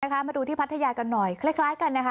มาดูที่พัทยากันหน่อยคล้ายกันนะคะ